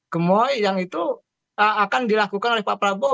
kemoy yang itu akan dilakukan oleh pak prabowo